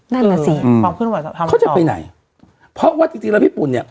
นั่นแรงอ่ะคือฮืมเขาจะไปไหนเพราะว่าจริงจริงแหละพี่ปุ่นเนี้ย